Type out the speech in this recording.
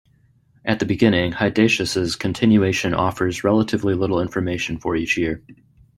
At the beginning, Hydatius' continuation offers relatively little information for each year.